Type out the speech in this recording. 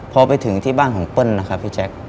พอไปถึงที่บ้านของเปิ้ลนะครับพี่แจ๊ค